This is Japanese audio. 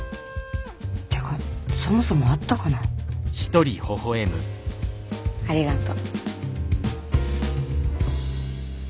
てかそもそもあったかな。ありがと。